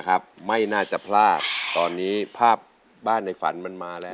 ครับไม่น่าจะพลาดตอนนี้ภาพบ้านในฝันมันมาแล้ว